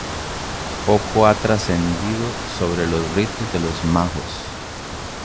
Poco ha trascendido sobre los ritos de los majos.